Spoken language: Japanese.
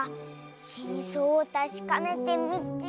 しんそうをたしかめてみて。